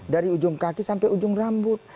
dari ujung kaki sampai ujung rambut